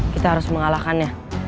kita harus mengalahkannya